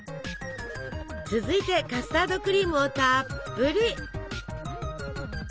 続いてカスタードクリームをたっぷり！